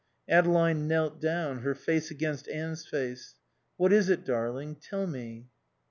Adeline knelt down, her face against Anne's face. "What is it darling? Tell me."